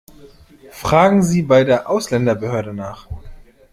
Fragen Sie bei der Ausländerbehörde nach!